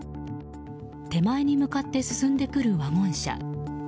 手前に向かって進んでくるワゴン車。